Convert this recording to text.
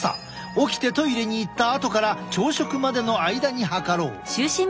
起きてトイレに行ったあとから朝食までの間に測ろう。